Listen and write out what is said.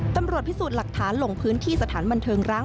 ตำรวจพิสูจน์หลักฐานลงพื้นที่สถานบันเทิงร้าง